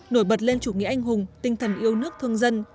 nổi bật lên chủ nghĩa anh hùng tinh thần yêu nước thương dân